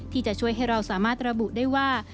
ที่จะช่วยให้เราสามารถระบุได้ว่า